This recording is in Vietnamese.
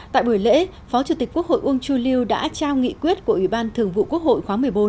tại buổi lễ phó chủ tịch quốc hội uông chu liêu đã trao nghị quyết của ủy ban thường vụ quốc hội khóa một mươi bốn